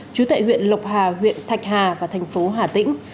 trú tại huyện lộc hà huyện thạch hà và thành phố hà tĩnh